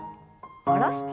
下ろして。